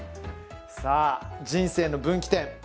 さあ人生の分岐点！